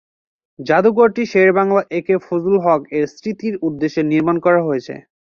জাদুঘরটি Shere Bangla A K Fazlul Huq এর স্মৃতির উদ্দেশ্যে নির্মাণ করা হয়েছে।